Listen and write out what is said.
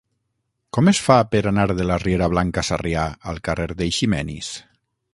Com es fa per anar de la riera Blanca Sarrià al carrer d'Eiximenis?